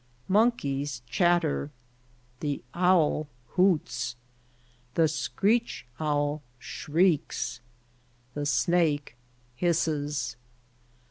Mon keys chat ter. The owl hoots. The screech owl shrieks. The snake hiss es.